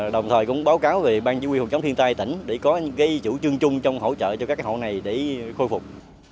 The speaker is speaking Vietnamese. đồng thời cũng báo cáo về ban chí quy hill trống thiên tai tỉnh để có những chủ trương chung trong hỗ trợ cho các hộ này để khôi phục